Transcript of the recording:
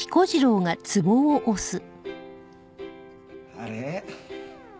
あれ？